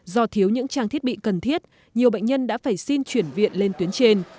do thiếu những trang thiết bị cần thiết nhiều bệnh nhân đã phải xin chuyển viện lên tuyến trên